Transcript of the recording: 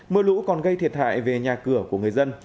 mưa lũ còn gây thiệt hại về nhà cửa của người dân